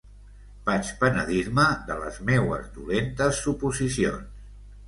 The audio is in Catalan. Vaig penedir-me de les meues dolentes suposicions.